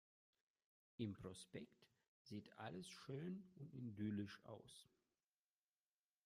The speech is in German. Im Prospekt sieht alles schön und idyllisch aus.